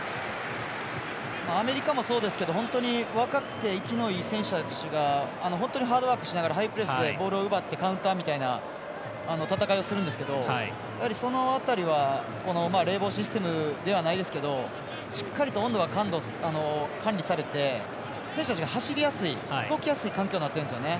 アメリカもそうですけど若くて生きのいい選手たちが本当にハードワークしながらハイプレスでボールを奪ってカウンターみたいな戦い方をするんですけどやはり、その辺りは冷房システムではないですけどしっかりと温度が管理されて選手たちが走りやすい動きやすい環境になってるんですよね。